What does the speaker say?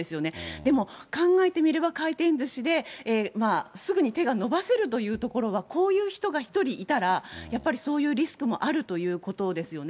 でも考えてみれば、回転ずしですぐに手が伸ばせるというところは、こういう人が１人いたら、やっぱりそういうリスクもあるということですよね。